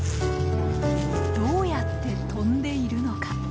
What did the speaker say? どうやって飛んでいるのか？